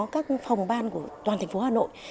các phòng ban của toàn thành phố hà nội